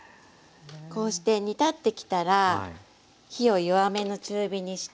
こうして煮立ってきたら火を弱めの中火にして。